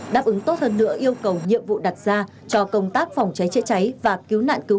đáp ứng tốt hơn nữa yêu cầu nhiệm vụ đặt ra cho công tác phòng cháy chữa cháy và cứu nạn cứu hộ trong tình hình mới